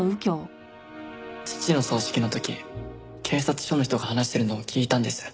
父の葬式の時警察署の人が話してるのを聞いたんです。